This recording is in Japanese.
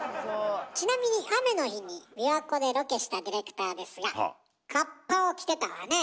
ちなみに雨の日に琵琶湖でロケしたディレクターですがカッパを着てたわね。